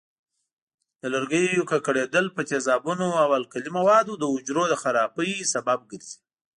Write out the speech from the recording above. د لرګیو ککړېدل په تیزابونو او القلي موادو د حجرو د خرابۍ سبب ګرځي.